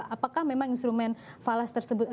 apakah memang instrumen falas tersebut